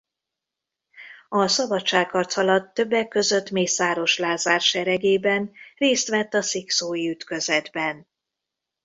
A szabadságharc alatt többek között Mészáros Lázár seregében részt vett a szikszói ütközetben.